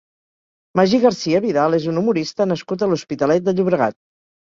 Magí Garcia Vidal és un humorista nascut a l'Hospitalet de Llobregat.